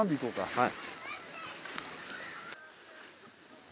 はい。